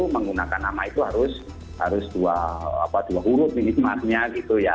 menggunakan nama itu harus dua huruf minikmatnya gitu ya